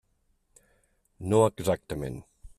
No exactament.